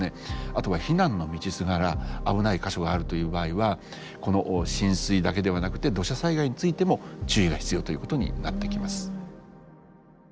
あとは避難の道すがら危ない箇所があるという場合はこの浸水だけではなくて土砂災害についても注意が必要ということになってきます。